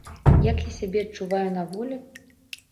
Як я сябе адчуваю на волі?